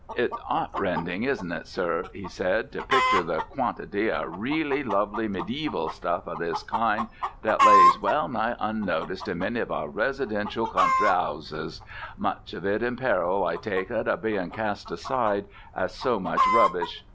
"It's 'eartrending, isn't it, sir," he said, "to picture the quantity of reelly lovely medeevial stuff of this kind that lays well nigh unnoticed in many of our residential country 'ouses: much of it in peril, I take it, of being cast aside as so much rubbish.